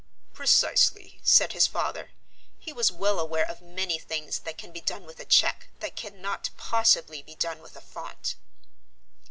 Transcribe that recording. "Precisely," said his father; he was well aware of many things that can be done with a cheque that cannot possibly be done with a font.